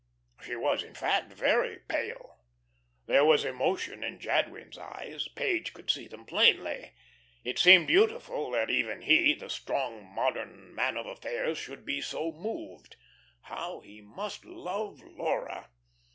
She was, in fact, very pale. There was emotion in Jadwin's eyes. Page could see them plainly. It seemed beautiful that even he, the strong, modern man of affairs, should be so moved. How he must love Laura.